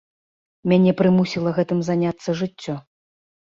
Мяне прымусіла гэтым заняцца жыццё.